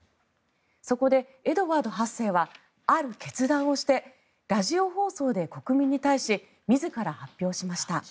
そこでエドワード８世はある決断をしてラジオ放送で国民に対し自ら発表しました。